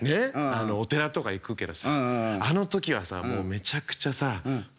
あのお寺とか行くけどさあの時はもうめちゃくちゃさあすっごい